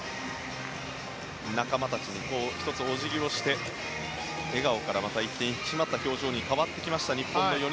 仲間たちも１つお辞儀をして笑顔からまた一転引き締まった表情に変わった日本の４人。